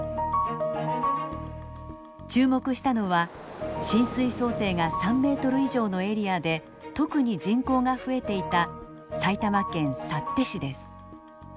注目したのは浸水想定が３ｍ以上のエリアで特に人口が増えていた埼玉県幸手市です。